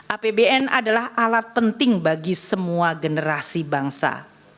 apbn adalah alat penting bagi semua generasi bangsa